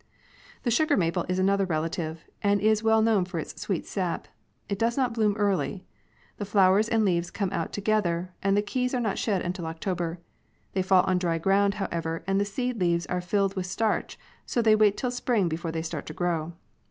The sugar maple is another relative, and is well known for its sweet sap. It does not bloom early. The flowers and leaves come out together, and the keys are not shed until October. They fall on dry ground, however, and the seed ^^^ leaves are tilled with starch, ^^^""./ so they wait till spring before they start to grow.